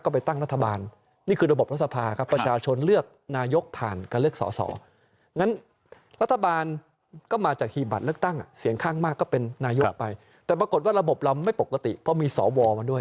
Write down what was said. ข้างมากก็เป็นนายกไปแต่ปรากฏว่าระบบเราไม่ปกติเพราะมีสอวรมาด้วย